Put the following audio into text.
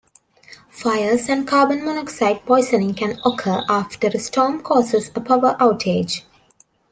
Fires and carbon monoxide poisoning can occur after a storm causes a power outage.